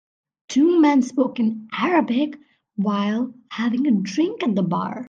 Two men spoke in Arabic while having a drink at the bar.